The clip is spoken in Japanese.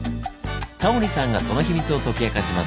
タモリさんがその秘密を解き明かします。